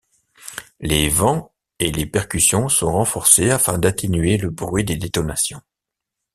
Les vents et les percussions sont renforcés afin d'atténuer le bruit des détonations.